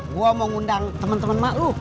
gue mau ngundang temen temen emak lo